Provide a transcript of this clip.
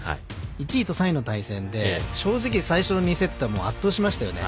１位と３位の対戦で、正直最初の２セットは圧倒しましたよね。